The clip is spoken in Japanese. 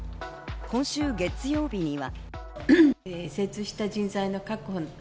今週月曜日には。